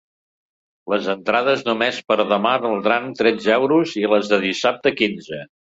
Les entrades només per a demà valdran tretze euros i les de dissabte, quinze.